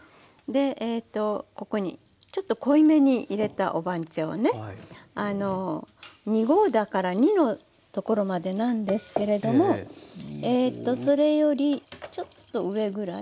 でここにちょっと濃いめにいれたお番茶をね２合だから２のところまでなんですけれどもそれよりちょっと上ぐらい。